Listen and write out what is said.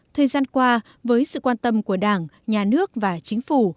thời gian qua với sự quan tâm của đảng nhà nước và chính phủ